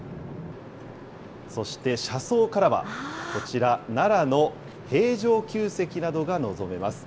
そして車窓からはこちら、奈良の平城宮跡などが望めます。